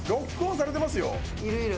いるいる。